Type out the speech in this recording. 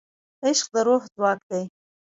عشق د روح ځواک دی.